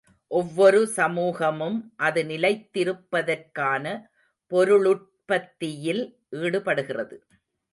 ஒவ்வொரு சமூகமும் அது நிலைத்திருப்பதற்கான பொருளுற்பத்தியில் ஈடுபடுகிறது.